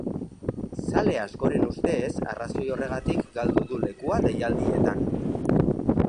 Zale askoren ustez arrazoi horregatik galdu du lekua deialdietan.